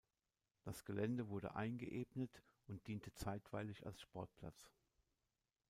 Das Gelände wurde eingeebnet und diente zeitweilig als Sportplatz.